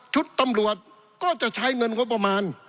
ตำรวจก็จะใช้เงินงบประมาณ